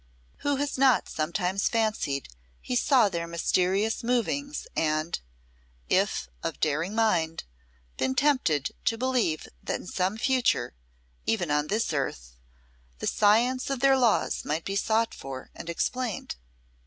Who has not sometimes fancied he saw their mysterious movings and if of daring mind been tempted to believe that in some future, even on this earth, the science of their laws might be sought for and explained?